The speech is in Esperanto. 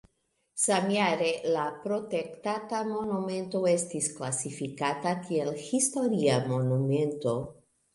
Samjare la protektata monumento estis klasifikata kiel historia monumento.